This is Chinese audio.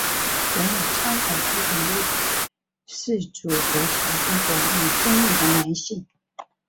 设立苍海郡的目的是阻隔朝鲜国与匈奴的联系。